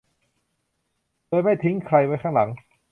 โดยไม่ทิ้งใครไว้ข้างหลัง